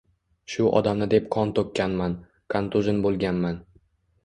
Shu odamni deb qon to‘kkanman, kantujin bo‘lganman.